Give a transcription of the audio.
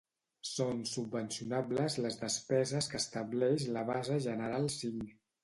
Són subvencionables les despeses que estableix la base general cinc.